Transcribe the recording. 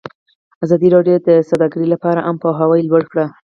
ازادي راډیو د سوداګري لپاره عامه پوهاوي لوړ کړی.